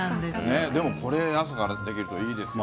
でもこれ、朝から出てくるといいですね。